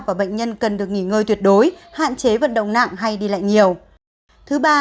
và bệnh nhân cần được nghỉ ngơi tuyệt đối hạn chế vận động nặng hay đi lại nhiều